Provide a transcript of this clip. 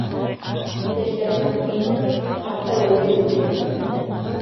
Иптәштәренә ҡушылып, хатта Вәзир үҙе лә күтәрҙе.